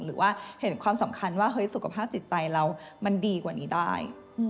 หรือว่าเห็นความสำคัญว่าสุขภาพจิตใจเรามันดีกว่านี้ได้